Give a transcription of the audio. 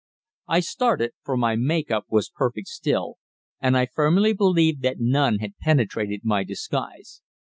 I started, for my make up was perfect still, and I firmly believed that none had penetrated my disguise.